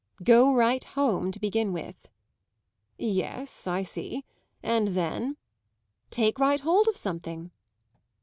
"Go right home, to begin with." "Yes, I see. And then?" "Take right hold of something."